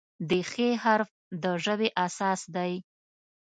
د "خ" حرف د ژبې اساس دی.